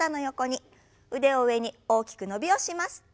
腕を上に大きく伸びをします。